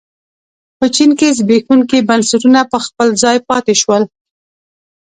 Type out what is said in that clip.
په چین کې زبېښونکي بنسټونه په خپل ځای پاتې شول.